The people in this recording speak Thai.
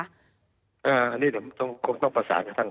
อันนี้คงต้องประสานกระทั่ง